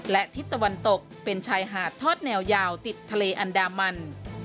และทิศตะวันตกเป็นชายหาดทอดแนวยาวติดทะเลอันดามัน